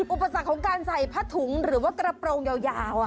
อุปสรรคของการใส่ผ้าถุงหรือว่ากระโปรงยาว